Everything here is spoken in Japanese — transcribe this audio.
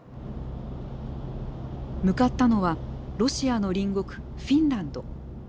向かったのはロシアの隣国フィンランド。